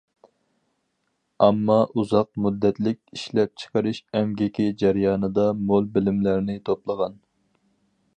ئامما ئۇزاق مۇددەتلىك ئىشلەپچىقىرىش ئەمگىكى جەريانىدا مول بىلىملەرنى توپلىغان.